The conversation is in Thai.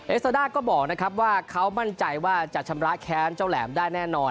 ซาด้าก็บอกนะครับว่าเขามั่นใจว่าจะชำระแค้นเจ้าแหลมได้แน่นอน